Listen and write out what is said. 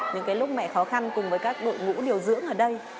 những lúc mẹ khó khăn cùng với các đội ngũ điều dưỡng ở đây